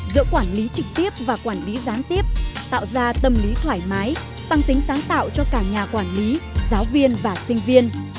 giữa quản lý trực tiếp và quản lý gián tiếp tạo ra tâm lý thoải mái tăng tính sáng tạo cho cả nhà quản lý giáo viên và sinh viên